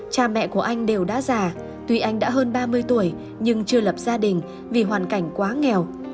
cha mẹ của anh đều đã già tuy anh đã hơn ba mươi tuổi nhưng chưa lập gia đình vì hoàn cảnh quá nghèo